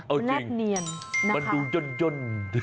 มันแนบเนียนมันดูจน